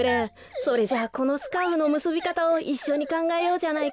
それじゃあこのスカーフのむすびかたをいっしょにかんがえようじゃないか。